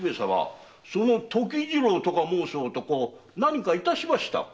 時次郎とかもうす男何かいたしましたか？